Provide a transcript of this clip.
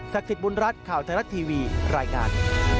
สิทธิบุญรัฐข่าวไทยรัฐทีวีรายงาน